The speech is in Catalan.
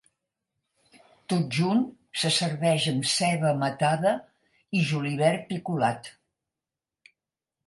Tot junt se serveix amb ceba matada i julivert picolat.